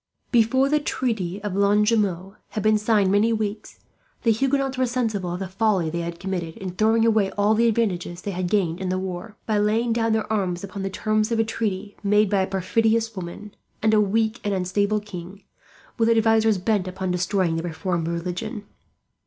Before the treaty of Lonjumeau had been signed many weeks, the Huguenots were sensible of the folly they had committed, in throwing away all the advantages they had gained in the war, by laying down their arms upon the terms of a treaty made by a perfidious woman and a weak and unstable king, with advisers bent upon destroying the reformed religion.